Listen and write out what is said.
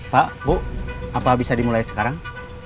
pak bu apa bisa dimulai sekarang